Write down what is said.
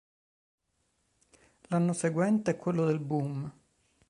L'anno seguente è quello del boom.